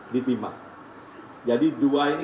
ditimbang jadi dua ini